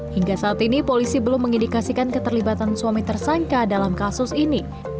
hingga saat ini polisi belum mengindikasikan keterlibatan suami tersangka dalam kasus ini